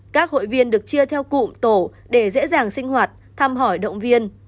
các hội viên được chia theo cụm tổ để dễ dàng sinh hoạt thăm hỏi động viên